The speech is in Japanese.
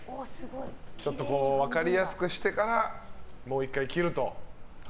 ちょっと分かりやすくしてからもう１回切ると。